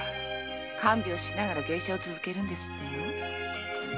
看病しながら芸者を続けるんですってよ。